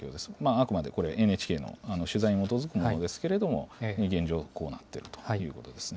あくまでこれ、ＮＨＫの取材に基づくものですけれども、現状、こうなっているということですね。